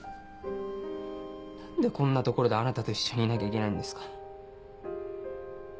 何でこんな所であなたと一緒にいなきゃいけないんですか。